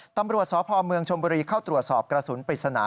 ตำรวจสพเมืองชมบุรีเข้าตรวจสอบกระสุนปริศนา